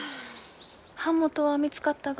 版元は見つかったが？